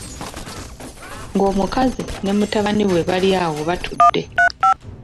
Ng'omukazi ne mutabani we bali awo batudde.